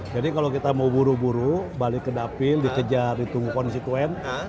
jadi kalau kita mau buru buru balik ke dapil dikejar di tunggu konstituen